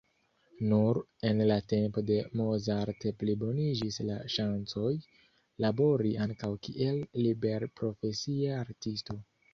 Nur en la tempo de Mozart pliboniĝis la ŝancoj, labori ankaŭ kiel liberprofesia artisto.